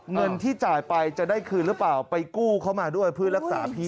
เงินที่จ่ายไปจะได้คืนหรือเปล่าไปกู้เขามาด้วยเพื่อรักษาพี่